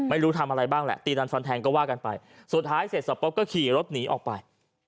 ไม่รู้ทำอะไรบ้างแหละตีดันฟันแทงก็ว่ากันไปสุดท้ายเสร็จสับป๊ปก็ขี่รถหนีออกไป